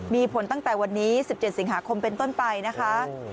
มีผลตั้งแต่วันนี้๑๗สิงหาคมเป็นต้นไปนะคะ